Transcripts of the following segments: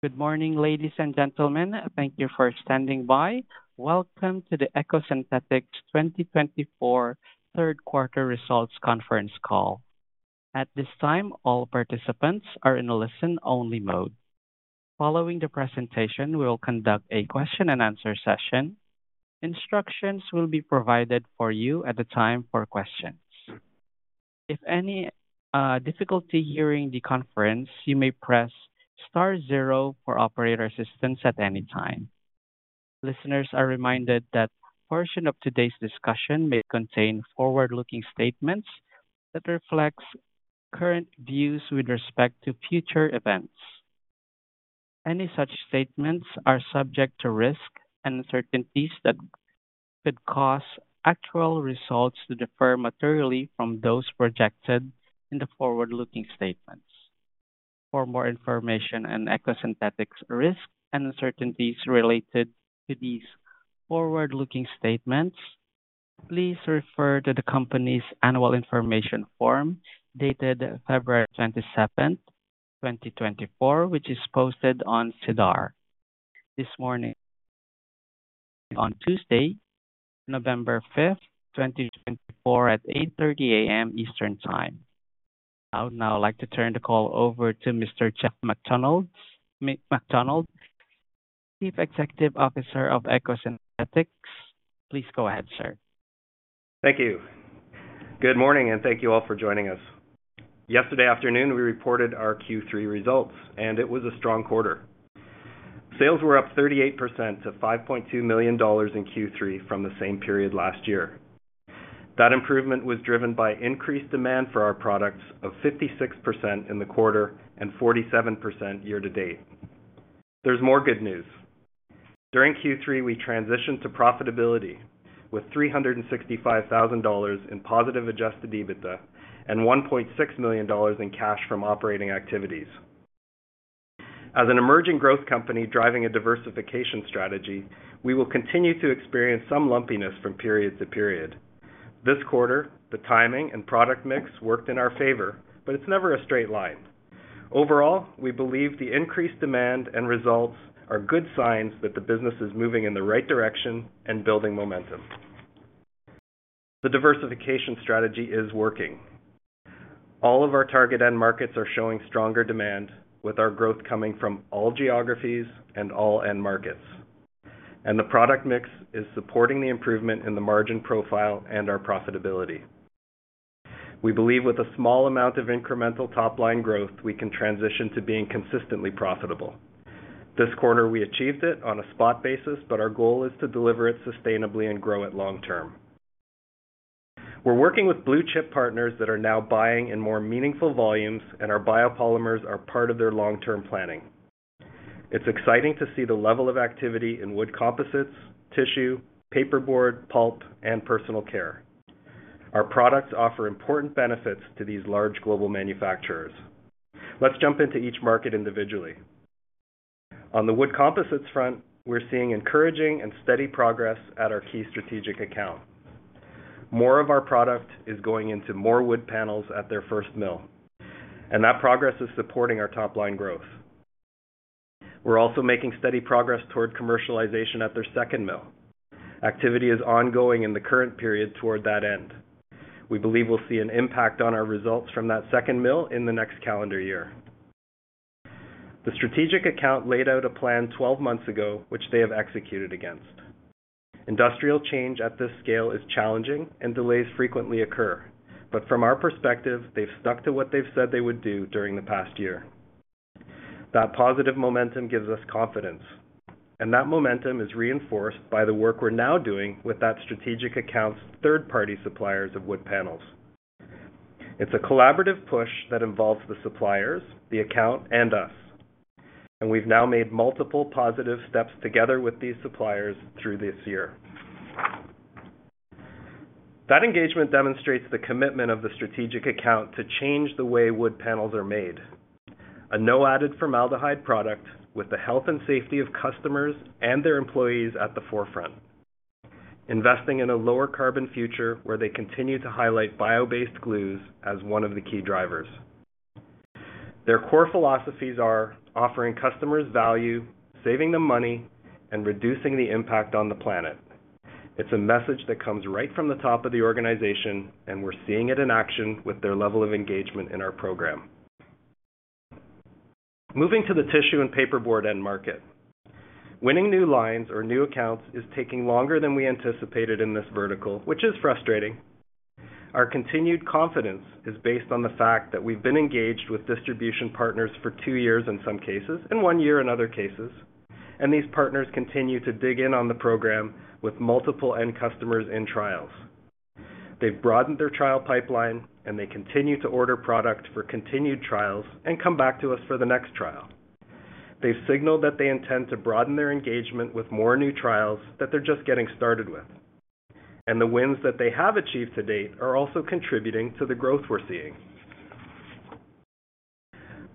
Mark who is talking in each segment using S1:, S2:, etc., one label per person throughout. S1: Good morning, ladies and gentlemen. Thank you for standing by. Welcome to the EcoSynthetix 2024 Third Quarter Results Conference Call. At this time, all participants are in a listen-only mode. Following the presentation, we will conduct a question-and-answer session. Instructions will be provided for you at the time for questions. If any difficulty hearing the conference, you may press star zero for operator assistance at any time. Listeners are reminded that a portion of today's discussion may contain forward-looking statements that reflect current views with respect to future events. Any such statements are subject to risk and uncertainties that could cause actual results to differ materially from those projected in the forward-looking statements. For more information on EcoSynthetix risk and uncertainties related to these forward-looking statements, please refer to the company's Annual Information Form dated February 27, 2024, which is posted on SEDAR+ this morning, on Tuesday, November 5, 2024, at 8:30 A.M. Eastern Time. I would now like to turn the call over to Mr. Jeff Macdonald, Chief Executive Officer of EcoSynthetix. Please go ahead, sir.
S2: Thank you. Good morning, and thank you all for joining us. Yesterday afternoon, we reported our Q3 results, and it was a strong quarter. Sales were up 38% to $5.2 million in Q3 from the same period last year. That improvement was driven by increased demand for our products of 56% in the quarter and 47% year-to-date. There's more good news. During Q3, we transitioned to profitability with $365,000 in positive Adjusted EBITDA and $1.6 million in cash from operating activities. As an emerging growth company driving a diversification strategy, we will continue to experience some lumpiness from period to period. This quarter, the timing and product mix worked in our favor, but it's never a straight line. Overall, we believe the increased demand and results are good signs that the business is moving in the right direction and building momentum. The diversification strategy is working. All of our target end markets are showing stronger demand, with our growth coming from all geographies and all end markets, and the product mix is supporting the improvement in the margin profile and our profitability. We believe with a small amount of incremental top-line growth, we can transition to being consistently profitable. This quarter, we achieved it on a spot basis, but our goal is to deliver it sustainably and grow it long-term. We're working with blue-chip partners that are now buying in more meaningful volumes, and our biopolymers are part of their long-term planning. It's exciting to see the level of activity in wood composites, tissue, paperboard, pulp, and personal care. Our products offer important benefits to these large global manufacturers. Let's jump into each market individually. On the wood composites front, we're seeing encouraging and steady progress at our key strategic account. More of our product is going into more wood panels at their first mill, and that progress is supporting our top-line growth. We're also making steady progress toward commercialization at their second mill. Activity is ongoing in the current period toward that end. We believe we'll see an impact on our results from that second mill in the next calendar year. The strategic account laid out a plan 12 months ago, which they have executed against. Industrial change at this scale is challenging, and delays frequently occur. But from our perspective, they've stuck to what they've said they would do during the past year. That positive momentum gives us confidence, and that momentum is reinforced by the work we're now doing with that strategic account's third-party suppliers of wood panels. It's a collaborative push that involves the suppliers, the account, and us. We've now made multiple positive steps together with these suppliers through this year. That engagement demonstrates the commitment of the strategic account to change the way wood panels are made. A No-Added Formaldehyde product with the health and safety of customers and their employees at the forefront. Investing in a lower-carbon future where they continue to highlight bio-based glues as one of the key drivers. Their core philosophies are offering customers value, saving them money, and reducing the impact on the planet. It's a message that comes right from the top of the organization, and we're seeing it in action with their level of engagement in our program. Moving to the tissue and paperboard end market. Winning new lines or new accounts is taking longer than we anticipated in this vertical, which is frustrating. Our continued confidence is based on the fact that we've been engaged with distribution partners for two years in some cases and one year in other cases, and these partners continue to dig in on the program with multiple end customers in trials. They've broadened their trial pipeline, and they continue to order product for continued trials and come back to us for the next trial. They've signaled that they intend to broaden their engagement with more new trials that they're just getting started with, and the wins that they have achieved to date are also contributing to the growth we're seeing.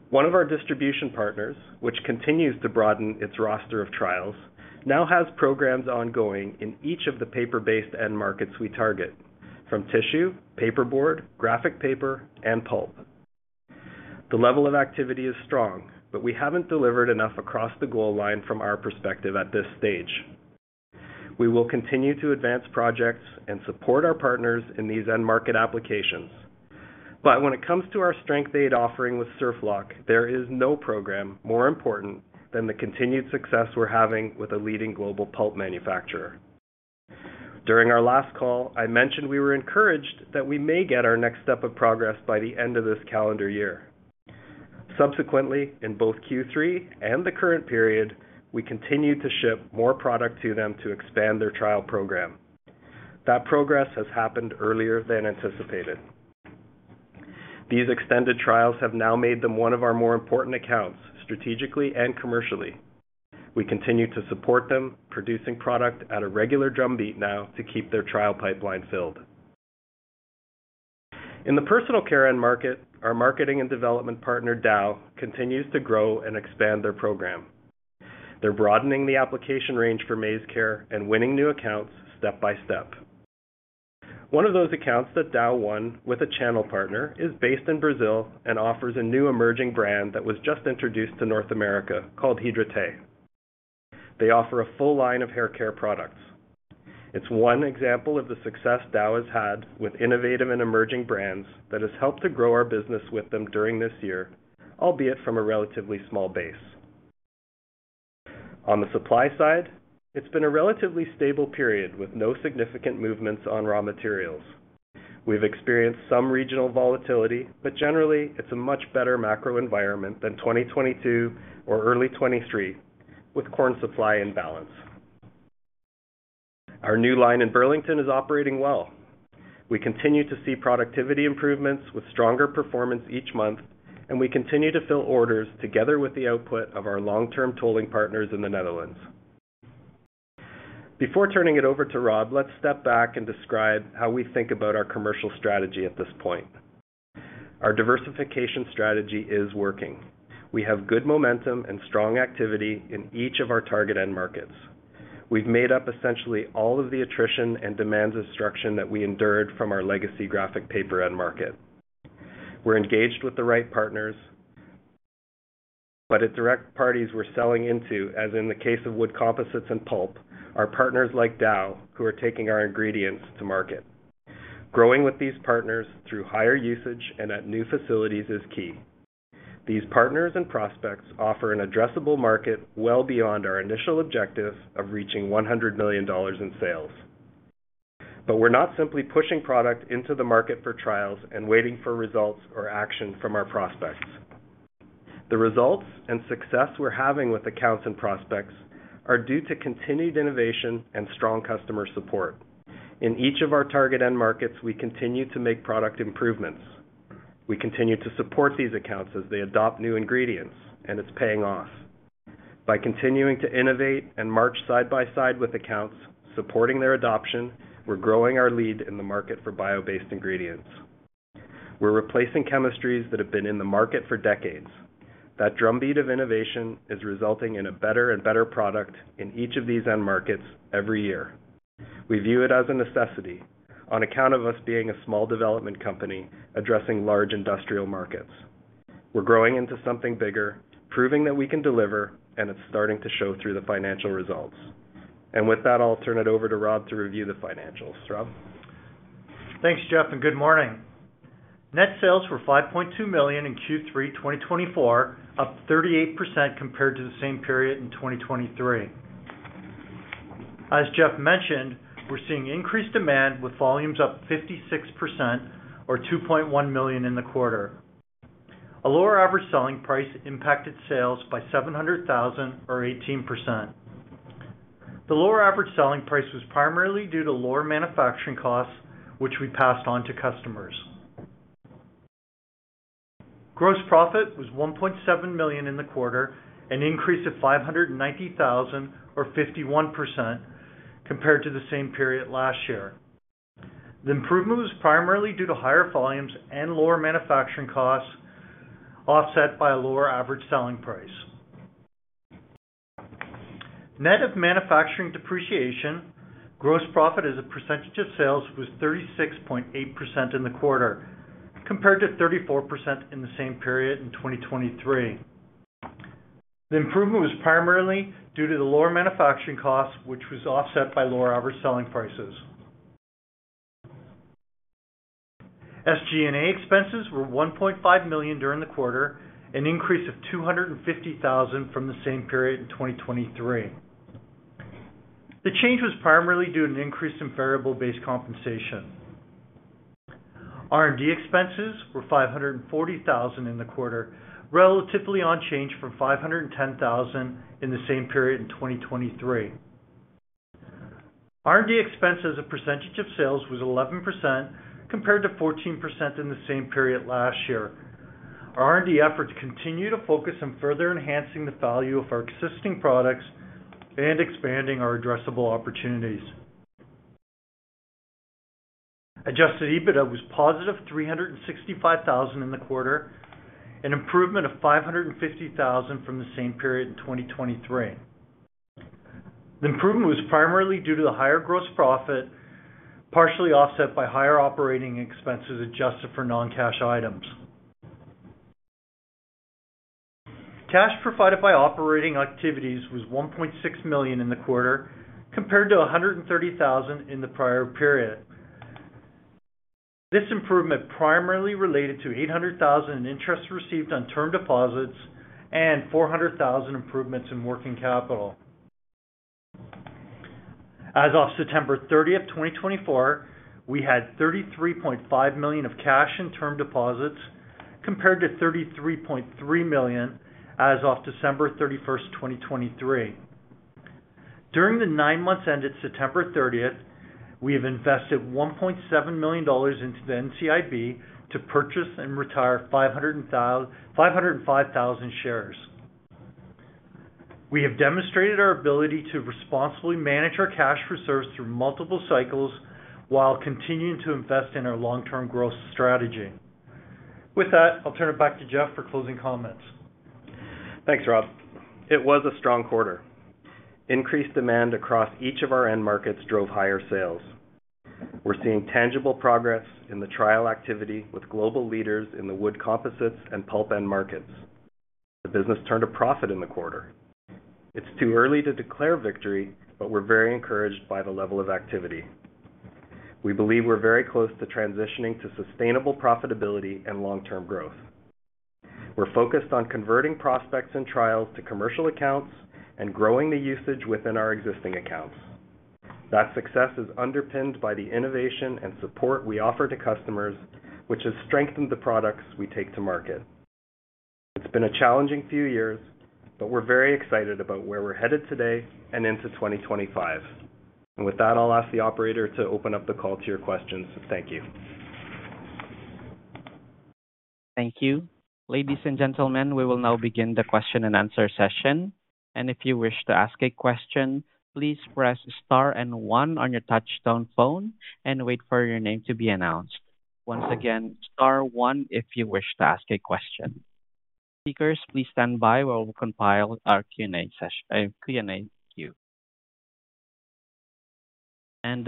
S2: One of our distribution partners, which continues to broaden its roster of trials, now has programs ongoing in each of the paper-based end markets we target, from tissue, paperboard, graphic paper, and pulp. The level of activity is strong, but we haven't delivered enough across the goal line from our perspective at this stage. We will continue to advance projects and support our partners in these end market applications. But when it comes to our strength aid offering with SurfLock, there is no program more important than the continued success we're having with a leading global pulp manufacturer. During our last call, I mentioned we were encouraged that we may get our next step of progress by the end of this calendar year. Subsequently, in both Q3 and the current period, we continue to ship more product to them to expand their trial program. That progress has happened earlier than anticipated. These extended trials have now made them one of our more important accounts strategically and commercially. We continue to support them, producing product at a regular drumbeat now to keep their trial pipeline filled. In the personal care end market, our marketing and development partner, Dow, continues to grow and expand their program. They're broadening the application range for MaizeCare and winning new accounts step by step. One of those accounts that Dow won with a channel partner is based in Brazil and offers a new emerging brand that was just introduced to North America called Hidratei. They offer a full line of hair care products. It's one example of the success Dow has had with innovative and emerging brands that has helped to grow our business with them during this year, albeit from a relatively small base. On the supply side, it's been a relatively stable period with no significant movements on raw materials. We've experienced some regional volatility, but generally, it's a much better macro environment than 2022 or early 2023 with corn supply in balance. Our new line in Burlington is operating well. We continue to see productivity improvements with stronger performance each month, and we continue to fill orders together with the output of our long-term tolling partners in the Netherlands. Before turning it over to Rob, let's step back and describe how we think about our commercial strategy at this point. Our diversification strategy is working. We have good momentum and strong activity in each of our target end markets. We've made up essentially all of the attrition and demand destruction that we endured from our legacy graphic paper end market. We're engaged with the right partners, but at direct parties we're selling into, as in the case of wood composites and pulp, our partners like Dow, who are taking our ingredients to market. Growing with these partners through higher usage and at new facilities is key. These partners and prospects offer an addressable market well beyond our initial objective of reaching $100 million in sales. But we're not simply pushing product into the market for trials and waiting for results or action from our prospects. The results and success we're having with accounts and prospects are due to continued innovation and strong customer support. In each of our target end markets, we continue to make product improvements. We continue to support these accounts as they adopt new ingredients, and it's paying off. By continuing to innovate and march side by side with accounts, supporting their adoption, we're growing our lead in the market for bio-based ingredients. We're replacing chemistries that have been in the market for decades. That drumbeat of innovation is resulting in a better and better product in each of these end markets every year. We view it as a necessity on account of us being a small development company addressing large industrial markets. We're growing into something bigger, proving that we can deliver, and it's starting to show through the financial results. And with that, I'll turn it over to Rob to review the financials. Rob.
S3: Thanks, Jeff, and good morning. Net sales were $5.2 million in Q3 2024, up 38% compared to the same period in 2023. As Jeff mentioned, we're seeing increased demand with volumes up 56% or $2.1 million in the quarter. A lower average selling price impacted sales by $700,000 or 18%. The lower average selling price was primarily due to lower manufacturing costs, which we passed on to customers. Gross profit was $1.7 million in the quarter, an increase of $590,000 or 51% compared to the same period last year. The improvement was primarily due to higher volumes and lower manufacturing costs, offset by a lower average selling price. Net of manufacturing depreciation, gross profit as a percentage of sales was 36.8% in the quarter, compared to 34% in the same period in 2023. The improvement was primarily due to the lower manufacturing costs, which was offset by lower average selling prices. SG&A expenses were $1.5 million during the quarter, an increase of $250,000 from the same period in 2023. The change was primarily due to an increase in variable-based compensation. R&D expenses were $540,000 in the quarter, relatively unchanged from $510,000 in the same period in 2023. R&D expenses as a percentage of sales was 11% compared to 14% in the same period last year. Our R&D efforts continue to focus on further enhancing the value of our existing products and expanding our addressable opportunities. Adjusted EBITDA was positive $365,000 in the quarter, an improvement of $550,000 from the same period in 2023. The improvement was primarily due to the higher gross profit, partially offset by higher operating expenses adjusted for non-cash items. Cash provided by operating activities was $1.6 million in the quarter, compared to $130,000 in the prior period. This improvement primarily related to $800,000 in interest received on term deposits and $400,000 improvements in working capital. As of September 30, 2024, we had $33.5 million of cash and term deposits compared to $33.3 million as of December 31, 2023. During the nine months ended September 30, we have invested $1.7 million into the NCIB to purchase and retire 505,000 shares. We have demonstrated our ability to responsibly manage our cash reserves through multiple cycles while continuing to invest in our long-term growth strategy. With that, I'll turn it back to Jeff for closing comments.
S2: Thanks, Rob. It was a strong quarter. Increased demand across each of our end markets drove higher sales. We're seeing tangible progress in the trial activity with global leaders in the wood composites and pulp end markets. The business turned a profit in the quarter. It's too early to declare victory, but we're very encouraged by the level of activity. We believe we're very close to transitioning to sustainable profitability and long-term growth. We're focused on converting prospects and trials to commercial accounts and growing the usage within our existing accounts. That success is underpinned by the innovation and support we offer to customers, which has strengthened the products we take to market. It's been a challenging few years, but we're very excited about where we're headed today and into 2025. And with that, I'll ask the operator to open up the call to your questions. Thank you.
S1: Thank you. Ladies and gentlemen, we will now begin the question and answer session, and if you wish to ask a question, please press star and one on your touch-tone phone and wait for your name to be announced. Once again, star one if you wish to ask a question. Speakers, please stand by while we poll our Q&A session,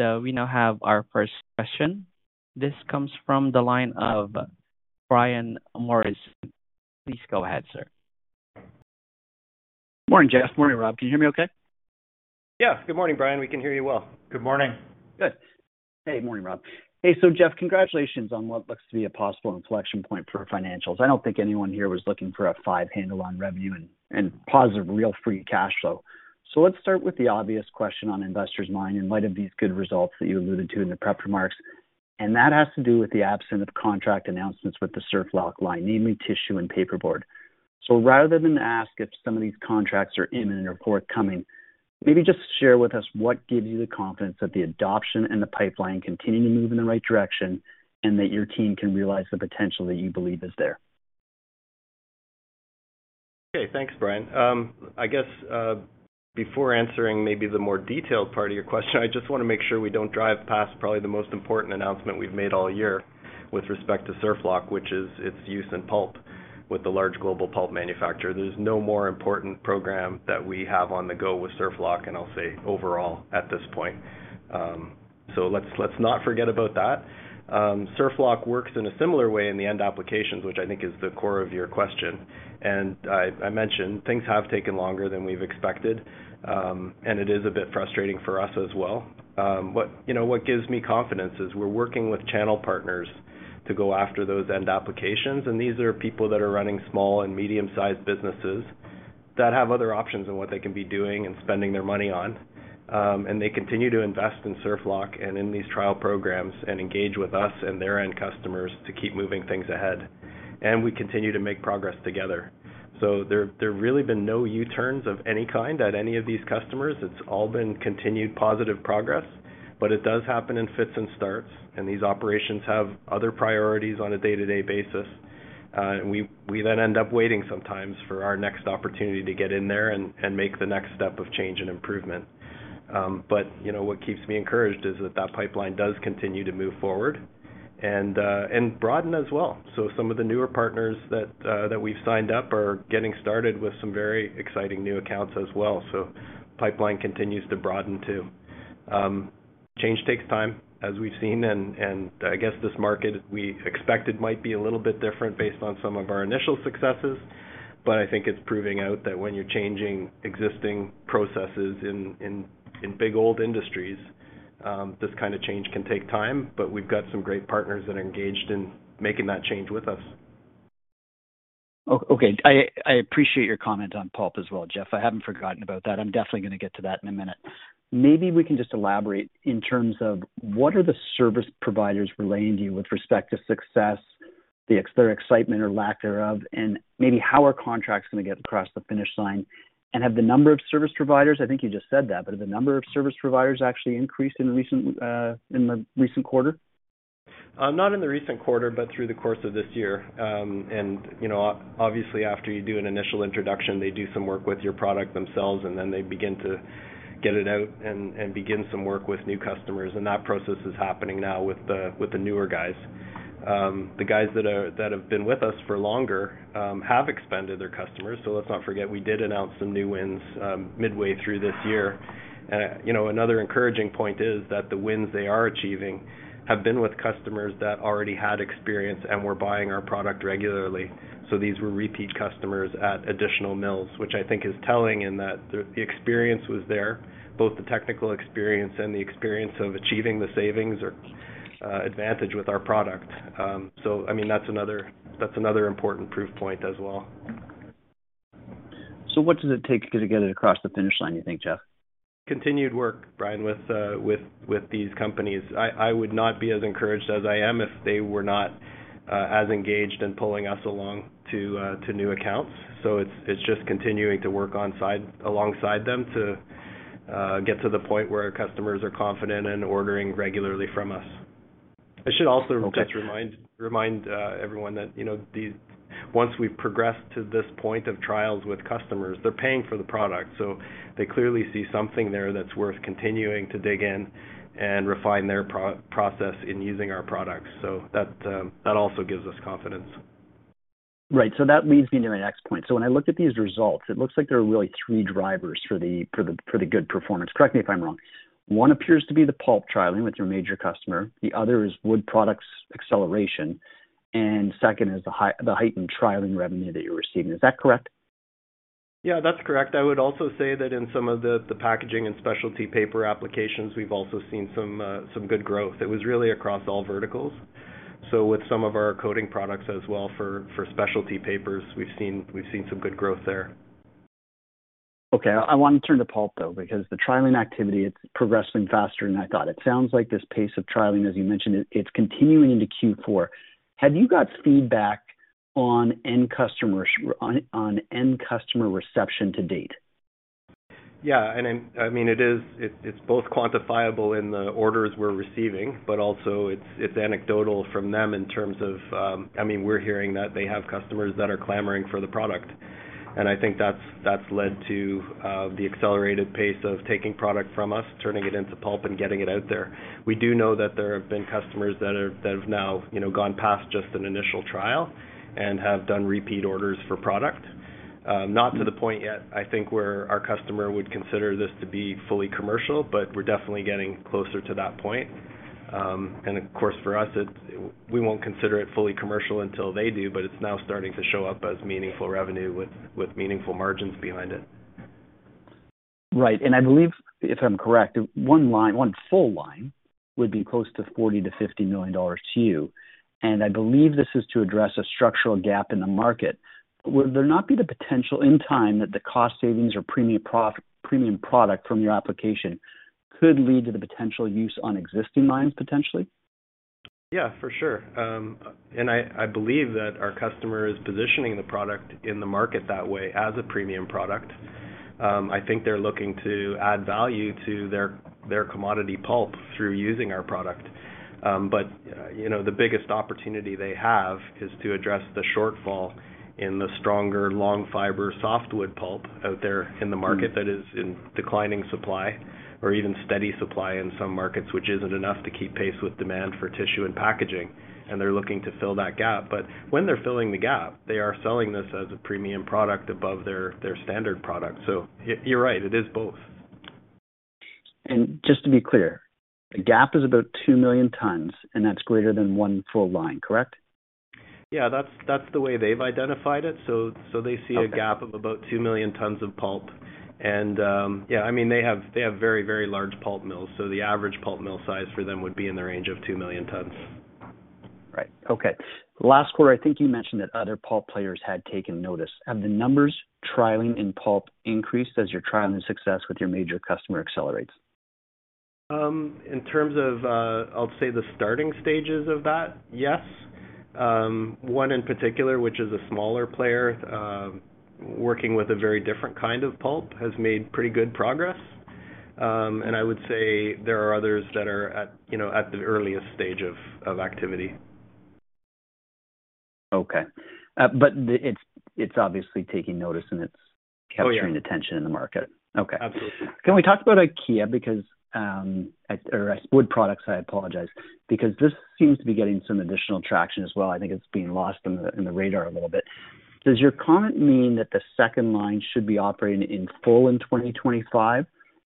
S1: and we now have our first question. This comes from the line of Brian Morrison. Please go ahead, sir.
S4: Good morning, Jeff. Morning, Rob. Can you hear me okay?
S2: Yeah. Good morning, Brian. We can hear you well.
S3: Good morning.
S4: Good morning, Rob. Hey, so Jeff, congratulations on what looks to be a possible inflection point for financials. I don't think anyone here was looking for a five-handle on revenue and positive real free cash flow. So let's start with the obvious question on investors' mind in light of these good results that you alluded to in the prep remarks, and that has to do with the absence of contract announcements with the SurfLock line, namely tissue and paperboard. So rather than ask if some of these contracts are imminent or forthcoming, maybe just share with us what gives you the confidence that the adoption and the pipeline continue to move in the right direction and that your team can realize the potential that you believe is there.
S2: Okay. Thanks, Brian. I guess before answering maybe the more detailed part of your question, I just want to make sure we don't drive past probably the most important announcement we've made all year with respect to SurfLock, which is its use in pulp with the large global pulp manufacturer. There's no more important program that we have on the go with SurfLock, and I'll say overall at this point, so let's not forget about that. SurfLock works in a similar way in the end applications, which I think is the core of your question, and I mentioned things have taken longer than we've expected, and it is a bit frustrating for us as well. What gives me confidence is we're working with channel partners to go after those end applications. And these are people that are running small and medium-sized businesses that have other options in what they can be doing and spending their money on. And they continue to invest in SurfLock and in these trial programs and engage with us and their end customers to keep moving things ahead. And we continue to make progress together. So there have really been no U-turns of any kind at any of these customers. It's all been continued positive progress, but it does happen in fits and starts. And these operations have other priorities on a day-to-day basis. We then end up waiting sometimes for our next opportunity to get in there and make the next step of change and improvement. But what keeps me encouraged is that that pipeline does continue to move forward and broaden as well. So some of the newer partners that we've signed up are getting started with some very exciting new accounts as well. So pipeline continues to broaden too. Change takes time, as we've seen. And I guess this market we expected might be a little bit different based on some of our initial successes. But I think it's proving out that when you're changing existing processes in big old industries, this kind of change can take time. But we've got some great partners that are engaged in making that change with us.
S4: Okay. I appreciate your comment on pulp as well, Jeff. I haven't forgotten about that. I'm definitely going to get to that in a minute. Maybe we can just elaborate in terms of what are the service providers relaying to you with respect to success, their excitement or lack thereof, and maybe how are contracts going to get across the finish line, and have the number of service providers, I think you just said that, but have the number of service providers actually increased in the recent quarter?
S2: Not in the recent quarter, but through the course of this year. And obviously, after you do an initial introduction, they do some work with your product themselves, and then they begin to get it out and begin some work with new customers. And that process is happening now with the newer guys. The guys that have been with us for longer have expanded their customers. So let's not forget we did announce some new wins midway through this year. And another encouraging point is that the wins they are achieving have been with customers that already had experience and were buying our product regularly. So these were repeat customers at additional mills, which I think is telling in that the experience was there, both the technical experience and the experience of achieving the savings or advantage with our product. So I mean, that's another important proof point as well.
S4: So what does it take to get it across the finish line, you think, Jeff?
S2: Continued work, Brian, with these companies. I would not be as encouraged as I am if they were not as engaged in pulling us along to new accounts. So it's just continuing to work alongside them to get to the point where customers are confident in ordering regularly from us. I should also just remind everyone that once we've progressed to this point of trials with customers, they're paying for the product. So they clearly see something there that's worth continuing to dig in and refine their process in using our products. So that also gives us confidence.
S4: Right. So that leads me to my next point. So when I looked at these results, it looks like there are really three drivers for the good performance. Correct me if I'm wrong. One appears to be the pulp trialing with your major customer. The other is wood products acceleration. And second is the heightened trialing revenue that you're receiving. Is that correct?
S2: Yeah, that's correct. I would also say that in some of the packaging and specialty paper applications, we've also seen some good growth. It was really across all verticals. So with some of our coating products as well for specialty papers, we've seen some good growth there.
S4: Okay. I want to turn to pulp, though, because the trialing activity, it's progressing faster than I thought. It sounds like this pace of trialing, as you mentioned, it's continuing into Q4. Have you got feedback on end customer reception to date?
S2: Yeah. And I mean, it's both quantifiable in the orders we're receiving, but also it's anecdotal from them in terms of, I mean, we're hearing that they have customers that are clamoring for the product. And I think that's led to the accelerated pace of taking product from us, turning it into pulp, and getting it out there. We do know that there have been customers that have now gone past just an initial trial and have done repeat orders for product. Not to the point yet, I think, where our customer would consider this to be fully commercial, but we're definitely getting closer to that point. And of course, for us, we won't consider it fully commercial until they do, but it's now starting to show up as meaningful revenue with meaningful margins behind it.
S4: Right. And I believe, if I'm correct, one full line would be close to $40-50 million to you. And I believe this is to address a structural gap in the market. Would there not be the potential in time that the cost savings or premium product from your application could lead to the potential use on existing lines, potentially?
S2: Yeah, for sure. And I believe that our customer is positioning the product in the market that way as a premium product. I think they're looking to add value to their commodity pulp through using our product. But the biggest opportunity they have is to address the shortfall in the stronger long fiber softwood pulp out there in the market that is in declining supply or even steady supply in some markets, which isn't enough to keep pace with demand for tissue and packaging. And they're looking to fill that gap. But when they're filling the gap, they are selling this as a premium product above their standard product. So you're right. It is both.
S4: Just to be clear, the gap is about two million tons, and that's greater than one full line, correct?
S2: Yeah. That's the way they've identified it. So they see a gap of about two million tons of pulp. And yeah, I mean, they have very, very large pulp mills. So the average pulp mill size for them would be in the range of two million tons.
S4: Right. Okay. Last quarter, I think you mentioned that other pulp players had taken notice. Have the numbers trialing in pulp increased as your trialing success with your major customer accelerates?
S2: In terms of, I'll say, the starting stages of that, yes. One in particular, which is a smaller player, working with a very different kind of pulp, has made pretty good progress, and I would say there are others that are at the earliest stage of activity.
S4: Okay. But it's obviously taking notice and it's capturing attention in the market.
S2: Oh, yeah. Absolutely.
S4: Okay. Can we talk about IKEA because or Wood Products, I apologize, because this seems to be getting some additional traction as well. I think it's being lost on the radar a little bit. Does your comment mean that the second line should be operating in full in 2025?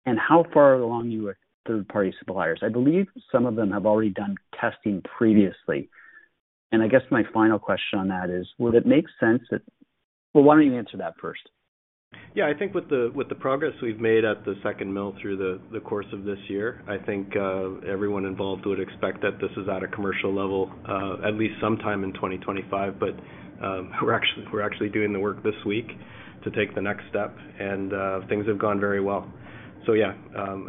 S4: And how far along you are with third-party suppliers? I believe some of them have already done testing previously. And I guess my final question on that is, would it make sense that, well, why don't you answer that first?
S2: Yeah. I think with the progress we've made at the second mill through the course of this year, I think everyone involved would expect that this is at a commercial level at least sometime in 2025. But we're actually doing the work this week to take the next step. And things have gone very well. So yeah,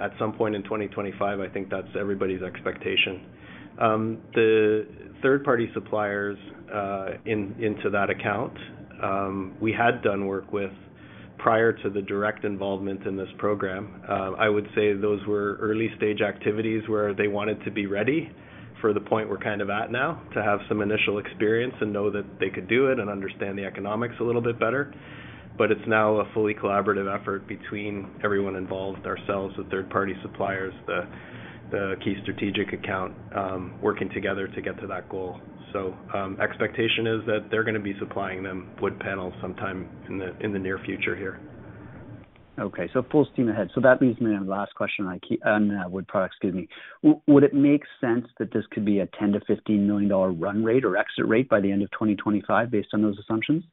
S2: at some point in 2025, I think that's everybody's expectation. The third-party suppliers into that account, we had done work with prior to the direct involvement in this program. I would say those were early-stage activities where they wanted to be ready for the point we're kind of at now, to have some initial experience and know that they could do it and understand the economics a little bit better. But it's now a fully collaborative effort between everyone involved, ourselves, the third-party suppliers, the key strategic account, working together to get to that goal. So expectation is that they're going to be supplying them wood panels sometime in the near future here.
S4: Okay. So full steam ahead. So that leads me to the last question on Wood Products. Excuse me. Would it make sense that this could be a $10-15 million run rate or exit rate by the end of 2025 based on those assumptions?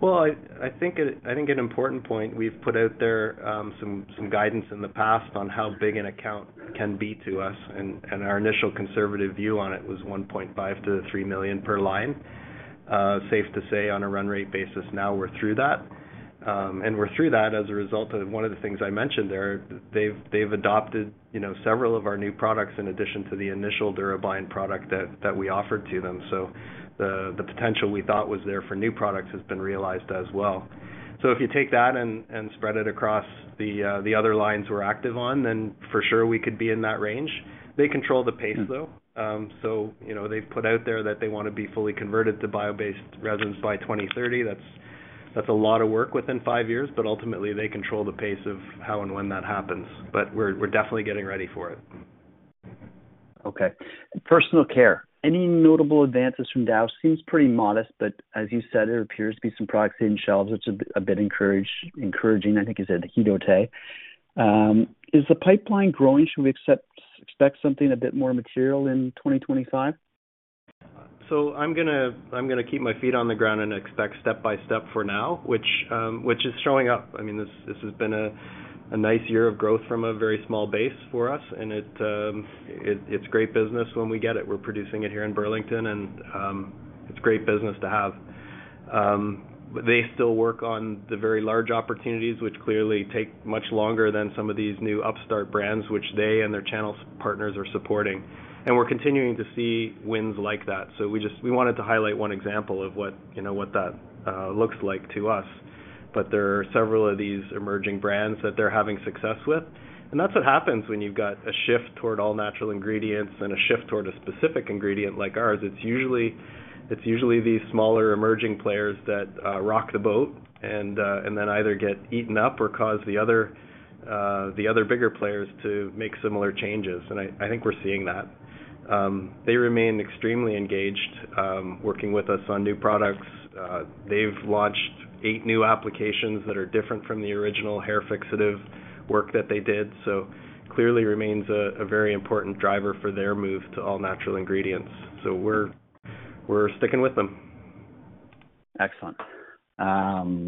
S2: I think an important point we've put out there some guidance in the past on how big an account can be to us. Our initial conservative view on it was $1.5-3 million per line. Safe to say on a run rate basis, now we're through that. We're through that as a result of one of the things I mentioned there. They've adopted several of our new products in addition to the initial DuraBind product that we offered to them. The potential we thought was there for new products has been realized as well. If you take that and spread it across the other lines we're active on, then for sure we could be in that range. They control the pace, though. They've put out there that they want to be fully converted to bio-based resins by 2030. That's a lot of work within five years, but ultimately, they control the pace of how and when that happens. But we're definitely getting ready for it.
S4: Okay. Personal care. Any notable advances from Dow? Seems pretty modest, but as you said, there appears to be some products hitting shelves, which is a bit encouraging. I think you said Hidratei. Is the pipeline growing? Should we expect something a bit more material in 2025?
S2: So, I'm going to keep my feet on the ground and expect step by step for now, which is showing up. I mean, this has been a nice year of growth from a very small base for us. And it's great business when we get it. We're producing it here in Burlington, and it's great business to have. They still work on the very large opportunities, which clearly take much longer than some of these new upstart brands, which they and their channel partners are supporting. And we're continuing to see wins like that. So we wanted to highlight one example of what that looks like to us. But there are several of these emerging brands that they're having success with. And that's what happens when you've got a shift toward all-natural ingredients and a shift toward a specific ingredient like ours. It's usually these smaller emerging players that rock the boat and then either get eaten up or cause the other bigger players to make similar changes. And I think we're seeing that. They remain extremely engaged working with us on new products. They've launched eight new applications that are different from the original hair fixative work that they did. So clearly remains a very important driver for their move to all-natural ingredients. So we're sticking with them.
S4: Excellent.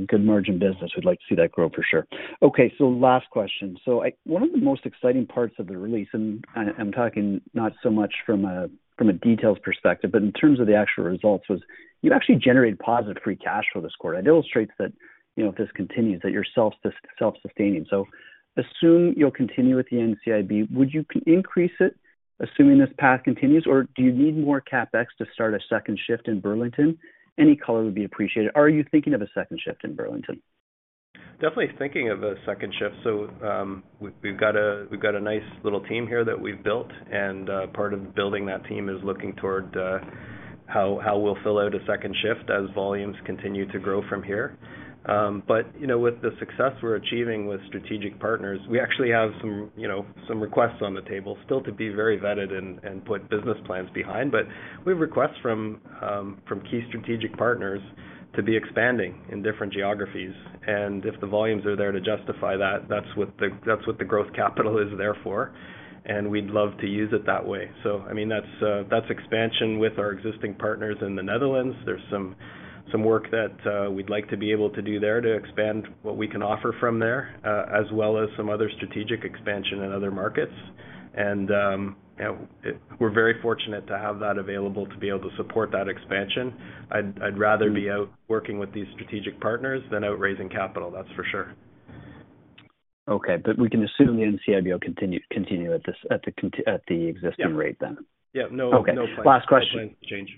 S4: Good merchant business. We'd like to see that grow for sure. Okay. So last question. So one of the most exciting parts of the release, and I'm talking not so much from a details perspective, but in terms of the actual results, was you actually generated positive free cash for this quarter. It illustrates that if this continues, that you're self-sustaining. So assume you'll continue with the NCIB. Would you increase it assuming this path continues, or do you need more CapEx to start a second shift in Burlington? Any color would be appreciated. Are you thinking of a second shift in Burlington?
S2: Definitely thinking of a second shift, so we've got a nice little team here that we've built, and part of building that team is looking toward how we'll fill out a second shift as volumes continue to grow from here, but with the success we're achieving with strategic partners, we actually have some requests on the table, still to be very vetted and put business plans behind, but we have requests from key strategic partners to be expanding in different geographies, and if the volumes are there to justify that, that's what the growth capital is there for, and we'd love to use it that way, so I mean, that's expansion with our existing partners in the Netherlands. There's some work that we'd like to be able to do there to expand what we can offer from there, as well as some other strategic expansion in other markets. We're very fortunate to have that available to be able to support that expansion. I'd rather be out working with these strategic partners than out raising capital, that's for sure.
S4: Okay. But we can assume the NCIB will continue at the existing rate then.
S2: Yeah. No plans to change.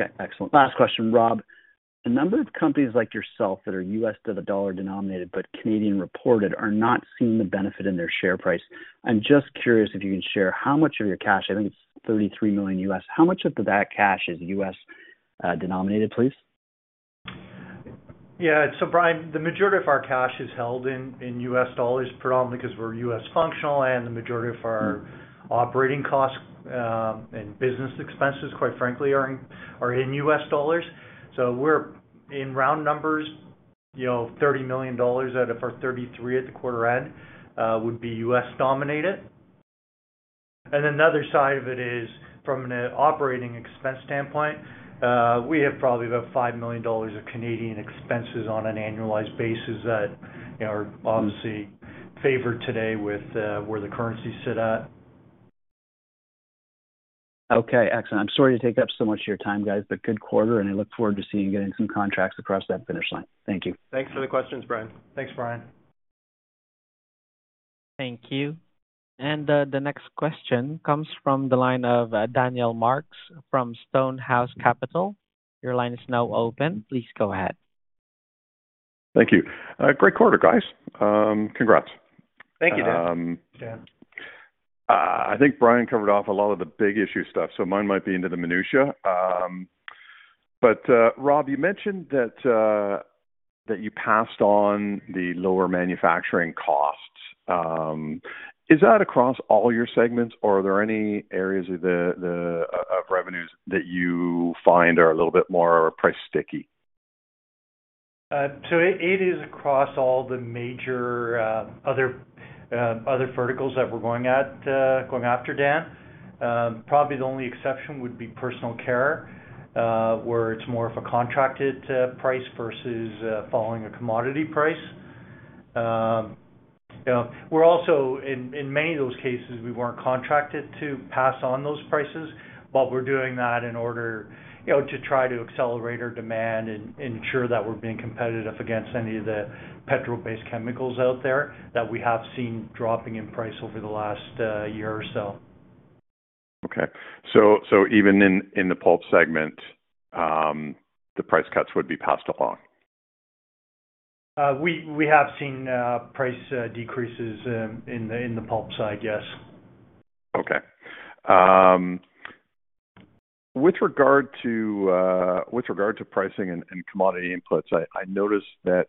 S4: Okay. Excellent. Last question, Rob. A number of companies like yourself that are US to the dollar denominated but Canadian reported are not seeing the benefit in their share price. I'm just curious if you can share how much of your cash (I think it's $33 million U.S.) how much of that cash is U.S. denominated, please?
S3: Yeah. So, Brian, the majority of our cash is held in USD, predominantly because we're U.S. functional. And the majority of our operating costs and business expenses, quite frankly, are in USD. So, in round numbers, $30 million out of our $33 million at the quarter end would be USD denominated. And then the other side of it is, from an operating expense standpoint, we have probably about 5 million dollars of Canadian expenses on an annualized basis that are obviously favored today with where the currency sits at.
S4: Okay. Excellent. I'm sorry to take up so much of your time, guys, but good quarter, and I look forward to seeing you getting some contracts across that finish line. Thank you.
S3: Thanks for the questions, Brian. Thanks, Brian.
S1: Thank you. And the next question comes from the line of Daniel Marks from Stonehouse Capital. Your line is now open. Please go ahead.
S5: Thank you. Great quarter, guys. Congrats.
S3: Thank you, Dan.
S5: I think Brian covered off a lot of the big issue stuff, so mine might be into the minutia. But Rob, you mentioned that you passed on the lower manufacturing costs. Is that across all your segments, or are there any areas of revenues that you find are a little bit more price sticky?
S3: So it is across all the major other verticals that we're going after, Dan. Probably the only exception would be personal care, where it's more of a contracted price versus following a commodity price. In many of those cases, we weren't contracted to pass on those prices, but we're doing that in order to try to accelerate our demand and ensure that we're being competitive against any of the petro-based chemicals out there that we have seen dropping in price over the last year or so.
S5: Okay. So even in the pulp segment, the price cuts would be passed along?
S3: We have seen price decreases in the pulp side, yes.
S5: Okay. With regard to pricing and commodity inputs, I noticed that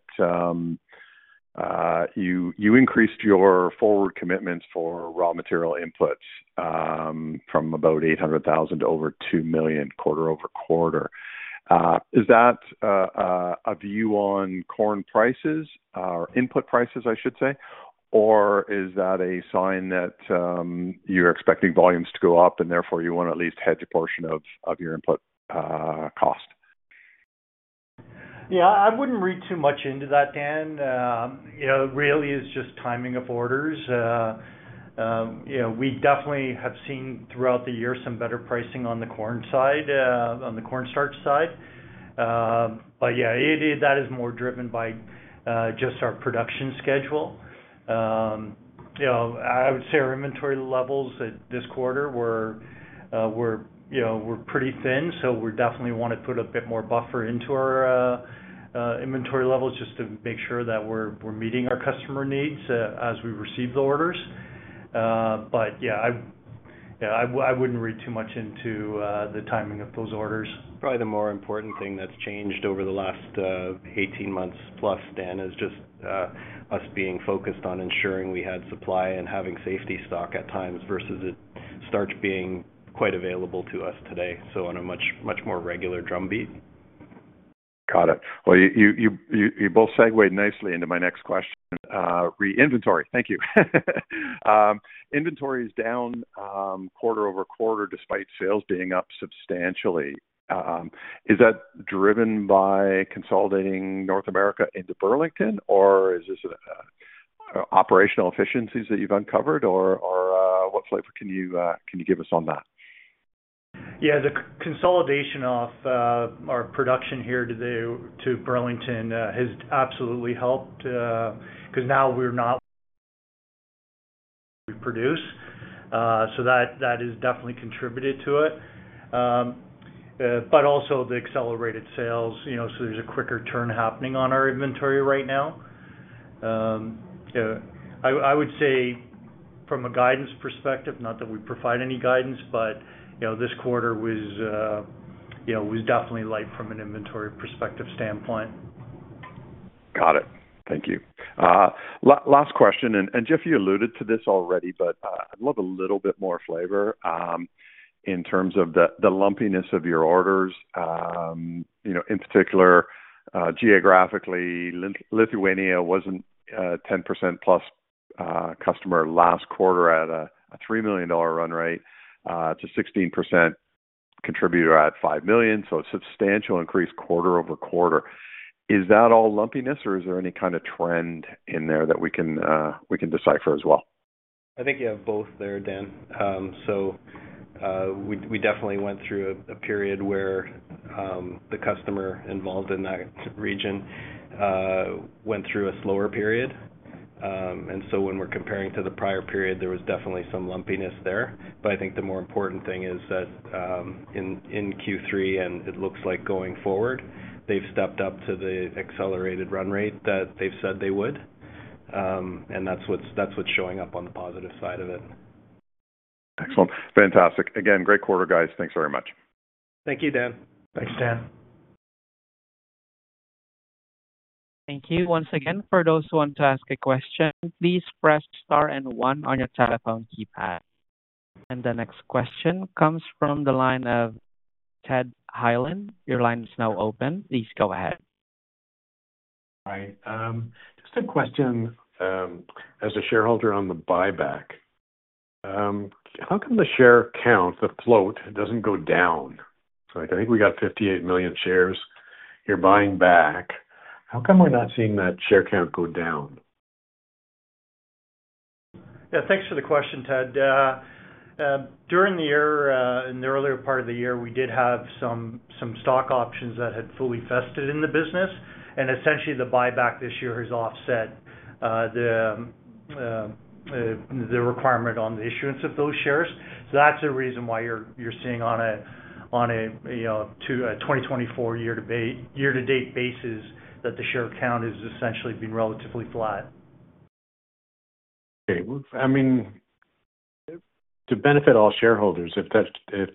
S5: you increased your forward commitments for raw material inputs from about 800,000 to over 2 million quarter-over-quarter. Is that a view on corn prices or input prices, I should say? Or is that a sign that you're expecting volumes to go up and therefore you want to at least hedge a portion of your input cost?
S3: Yeah. I wouldn't read too much into that, Dan. It really is just timing of orders. We definitely have seen throughout the year some better pricing on the corn side, on the cornstarch side. But yeah, that is more driven by just our production schedule. I would say our inventory levels this quarter were pretty thin. So we definitely want to put a bit more buffer into our inventory levels just to make sure that we're meeting our customer needs as we receive the orders. But yeah, I wouldn't read too much into the timing of those orders.
S2: Probably the more important thing that's changed over the last 18 months plus, Dan, is just us being focused on ensuring we had supply and having safety stock at times versus starch being quite available to us today, so on a much more regular drumbeat.
S5: Got it. Well, you both segued nicely into my next question. Re: inventory. Thank you. Inventory is down quarter-over-quarter despite sales being up substantially. Is that driven by consolidating North America into Burlington, or is this operational efficiencies that you've uncovered? Or what flavor can you give us on that?
S3: Yeah. The consolidation of our production here to Burlington has absolutely helped because now we're not producing. So that has definitely contributed to it. But also the accelerated sales. So there's a quicker turn happening on our inventory right now. I would say from a guidance perspective, not that we provide any guidance, but this quarter was definitely light from an inventory perspective standpoint.
S5: Got it. Thank you. Last question, and Jeff, you alluded to this already, but I'd love a little bit more flavor in terms of the lumpiness of your orders. In particular, geographically, Lithuania wasn't a 10% plus customer last quarter at a $3 million run rate to 16% contributor at $5 million. So a substantial increase quarter-over-quarter. Is that all lumpiness, or is there any kind of trend in there that we can decipher as well?
S2: I think you have both there, Dan. So we definitely went through a period where the customer involved in that region went through a slower period. And so when we're comparing to the prior period, there was definitely some lumpiness there. But I think the more important thing is that in Q3 and it looks like going forward, they've stepped up to the accelerated run rate that they've said they would. And that's what's showing up on the positive side of it.
S5: Excellent. Fantastic. Again, great quarter, guys. Thanks very much.
S3: Thank you, Dan.
S2: Thanks, Dan.
S1: Thank you once again. For those who want to ask a question, please press star and one on your telephone keypad, and the next question comes from the line of Ted Hyland. Your line is now open. Please go ahead.
S6: Hi. Just a question. As a shareholder on the buyback, how can the share count that float doesn't go down? I think we got 58 million shares you're buying back. How come we're not seeing that share count go down?
S3: Yeah. Thanks for the question, Ted. During the year, in the earlier part of the year, we did have some stock options that had fully vested in the business. And essentially, the buyback this year has offset the requirement on the issuance of those shares. So that's a reason why you're seeing on a 2024 year-to-date basis that the share count has essentially been relatively flat.
S6: Okay. I mean, to benefit all shareholders, if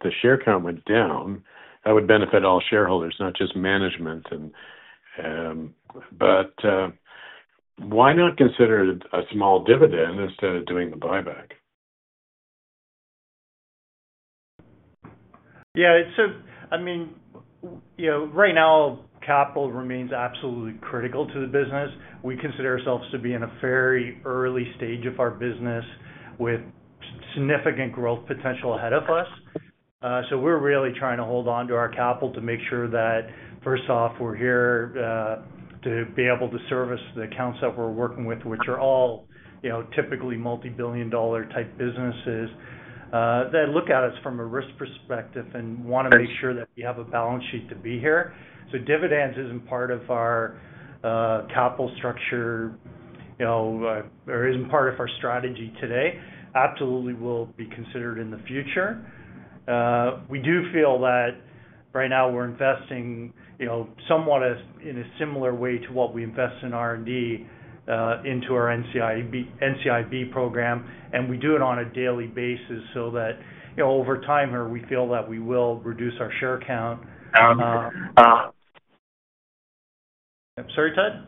S6: the share count went down, that would benefit all shareholders, not just management. But why not consider a small dividend instead of doing the buyback?
S3: Yeah. So I mean, right now, capital remains absolutely critical to the business. We consider ourselves to be in a very early stage of our business with significant growth potential ahead of us. So we're really trying to hold on to our capital to make sure that, first off, we're here to be able to service the accounts that we're working with, which are all typically multi-billion dollar type businesses that look at us from a risk perspective and want to make sure that we have a balance sheet to be here. So dividends isn't part of our capital structure or isn't part of our strategy today. Absolutely, will be considered in the future. We do feel that right now we're investing somewhat in a similar way to what we invest in R&D into our NCIB program. We do it on a daily basis so that over time here, we feel that we will reduce our share count.
S6: I'm here.
S3: I'm sorry, Ted?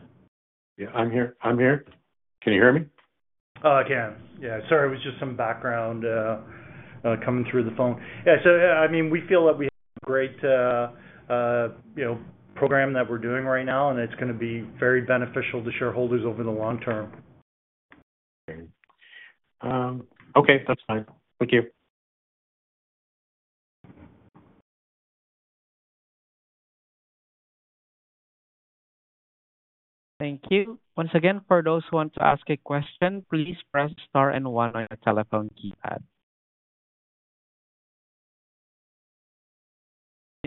S6: Yeah. I'm here. I'm here. Can you hear me?
S3: Oh, I can. Yeah. Sorry, it was just some background coming through the phone. Yeah. So I mean, we feel that we have a great program that we're doing right now, and it's going to be very beneficial to shareholders over the long term.
S6: Okay. Okay. That's fine. Thank you.
S1: Thank you. Once again, for those who want to ask a question, please press star and one on your telephone keypad.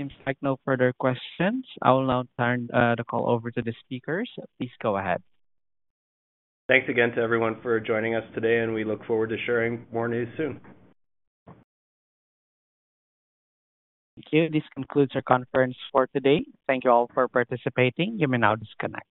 S1: Seems like no further questions. I will now turn the call over to the speakers. Please go ahead.
S2: Thanks again to everyone for joining us today, and we look forward to sharing more news soon.
S6: Thank you. This concludes our conference for today. Thank you all for participating. You may now disconnect.